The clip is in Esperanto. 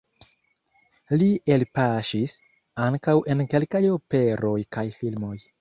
Li elpaŝis ankaŭ en kelkaj operoj kaj filmoj.